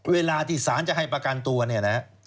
เวลาที่ศาลจะให้ประกันตัวนี้นะครับ